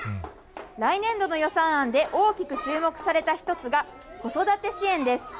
来年度の予算案で、大きく注目された一つが、子育て支援です。